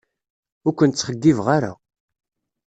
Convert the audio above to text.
Ur ken-ttxeyyibeɣ ara.